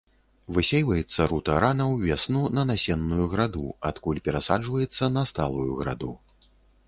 Высейваецца рута рана ўвесну на насенную граду, адкуль перасаджваецца на сталую граду.